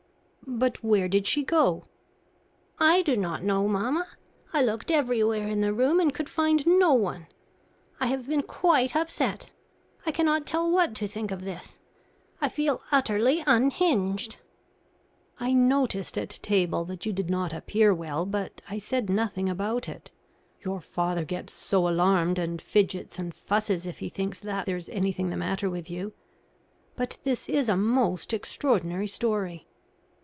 "But where did she go?" "I do not know, mamma. I looked everywhere in the room and could find no one. I have been quite upset. I cannot tell what to think of this. I feel utterly unhinged." "I noticed at table that you did not appear well, but I said nothing about it. Your father gets so alarmed, and fidgets and fusses, if he thinks that there is anything the matter with you. But this is a most extraordinary story."